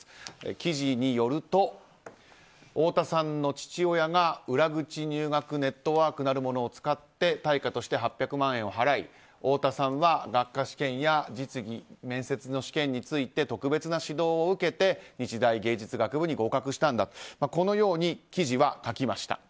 記事によると、太田さんの父親が裏口入学ネットワークなるものを使って対価として８００万円を払い太田さんは、学科試験や実技面接の試験について特別な指導を受けて日大芸術学部に合格したんだというこのように記事は書きました。